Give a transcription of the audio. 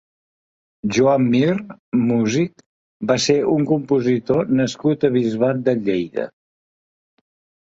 Joan Mir (músic) va ser un compositor nascut a Bisbat de Lleida.